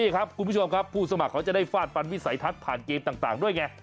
คุณผู้สมัครจะได้ฟาดปันวิสัยทัศน์ผ่านเกมต่างด้วยไง